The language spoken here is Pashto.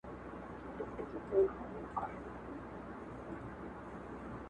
دا وحسي ځواک انسان له انسانيت څخه ليري کوي او توره څېره څرګندوي,